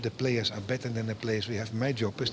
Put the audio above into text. tapi pemain adalah lebih baik daripada pemain yang kita punya